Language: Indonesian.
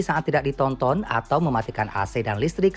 saat tidak ditonton atau mematikan ac dan listrik